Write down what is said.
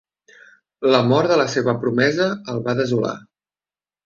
La mort de la seva promesa el va desolar.